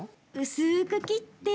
薄く切って。